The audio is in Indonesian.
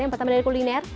yang pertama dari kuliner